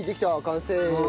完成！